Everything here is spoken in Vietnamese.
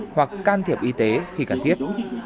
hoặc can thiệp y tế khi cần thiết